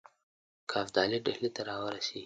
که ابدالي ډهلي ته را ورسیږي.